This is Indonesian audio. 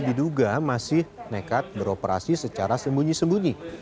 diduga masih nekat beroperasi secara sembunyi sembunyi